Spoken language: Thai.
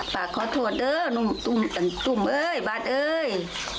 ปากขอโทษนุ่มตุ้มโบ๊ทเอ๊ย